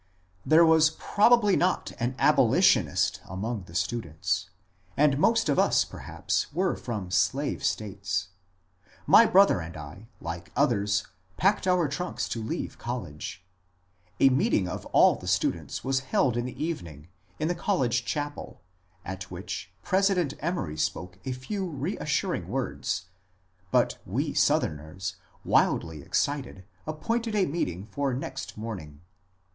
There was probably not an abolitionist among the students, and most of us perhaps were from slave States. My brother and I, like others, packed our trunks to leave college. A meeting of all the students was held in the evening — in the college chapel — at which President Emory spoke a few re assuring words ; but we Southerners, wildly excited, appointed a meeting for next morning.